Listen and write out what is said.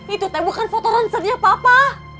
itu teh bukan foto rencernya papa